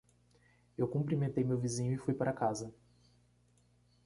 Eu cumprimentei meu vizinho e fui para casa.